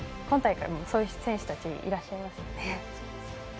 今大会もそういう選手たちいらっしゃいますよね。